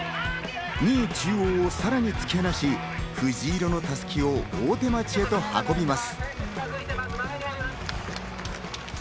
２位・中央をさらに突き放し、藤色の襷を大手町へと運びます。